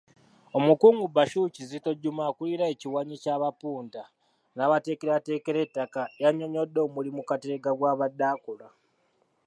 Omukungu Bashir Kizito Juma akulira ekiwayi ky’abapunta n’abateekerateekera ettaka yannyonnyodde omulimu Kateregga gw’abadde akola.